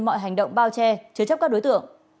mọi hành động bao che chứa chấp các đối tượng